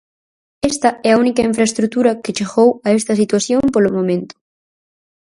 Esta é a única infraestrutura que chegou a esta situación polo momento.